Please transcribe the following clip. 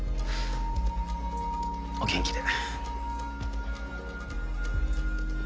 お元気で。